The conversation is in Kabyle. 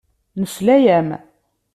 Nesla-am.